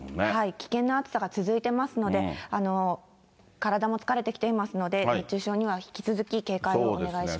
危険な暑さが続いてますので、体も疲れてきていますので、熱中症には引き続き警戒をお願いします。